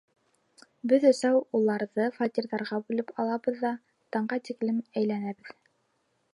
Беҙ өсәү уларҙы фатирҙарға бүлеп алабыҙ ҙа... таңға тиклем әйләнәбеҙ!